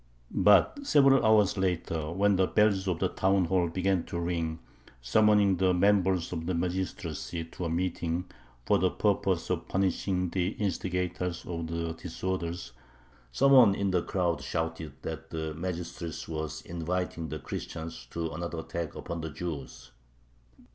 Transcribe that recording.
But several hours later, when the bells of the town hall began to ring, summoning the members of the magistracy to a meeting, for the purpose of punishing the instigators of the disorders, some one in the crowd shouted that the magistracy was inviting the Christians to another attack upon the Jews.